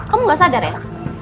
kamu gak sadar ya